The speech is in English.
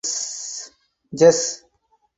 Ges.